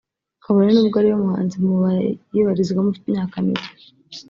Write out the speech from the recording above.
kabone n’ubwo ari we muhanzi mu bayibarizwamo ufite imyaka mike